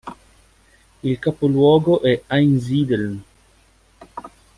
Il capoluogo è Einsiedeln.